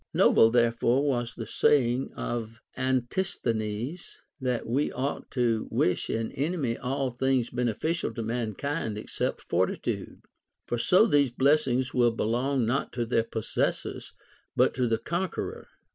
Noble therefore was the say ing of Antisthenes, that we ought to wish an enemy all things beneficial to mankind except fortitude ; for so these blessings will belong not to their possessors but to the con queror.